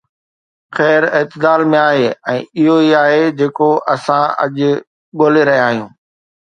خير اعتدال ۾ آهي ۽ اهو ئي آهي جيڪو اسان اڄ ڳولي رهيا آهيون.